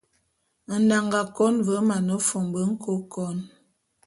Nnanga kôn ve mane fombô nkôkon.